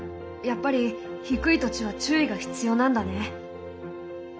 やっぱり低い土地は注意が必要なんだね。